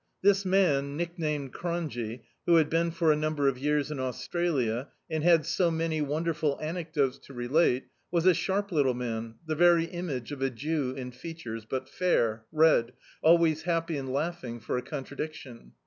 This man, nick named "Cronje," who had been for a number of years in Australia, and had so many wonderful an ecdotes to relate, was a sharp little man, the very image of a Jew in features, but fair, red, always happy and laughing, for a contradiction.